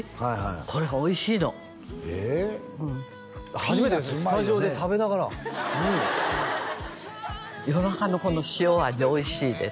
初めてですスタジオで食べながら夜中のこの塩味おいしいです